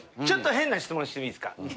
ちょっと変な質問していいですか？